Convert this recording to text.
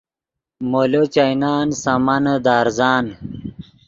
مولو چائینان سامانے دے ارزان